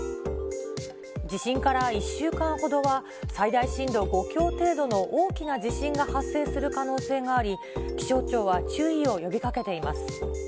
地震から１週間ほどは、最大震度５強程度の大きな地震が発生する可能性があり、気象庁は注意を呼びかけています。